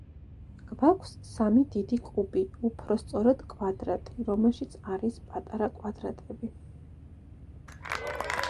გვაქვს სამი დიდი კუბი, უფრო სწორედ კვადრატი, რომელშიც არის პატარა კვადრატები.